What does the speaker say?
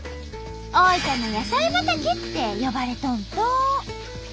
「大分の野菜畑」って呼ばれとんと！